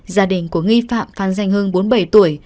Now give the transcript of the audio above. gia đình của nghi phạm phan danh hưng bốn mươi bảy tuổi